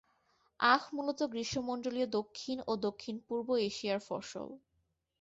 আখ মূলত গ্রীষ্মমন্ডলীয় দক্ষিণ ও দক্ষিণ-পূর্ব এশিয়ার ফসল।